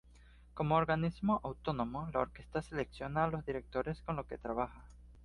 Como organismo autónomo, la orquesta selecciona a los directores con los que trabaja.